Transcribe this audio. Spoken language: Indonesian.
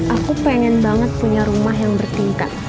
aku pengen banget punya rumah yang bertingkat